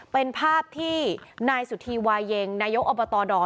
เป็นภาพที่นายสุธีวาเย็งนายกอบตด